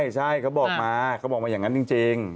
ใช่เขาบอกมาอย่างนั้นจริง